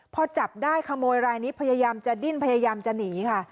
พอจับได้ขโมยรายนี้พยายามจะดิ้นพยายามจะหนีค่ะ